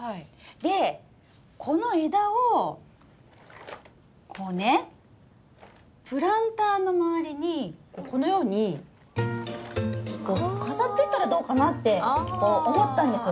でこの枝をこうねプランターの周りにこのように飾ってったらどうかなって思ったんですよ。